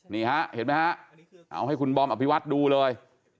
นี่ฮะเห็นมั้ยฮะเอาให้คุณบอมอภิวัตรดูเลย